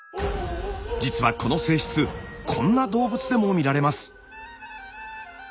実はこの性質こんな動物でも見られます。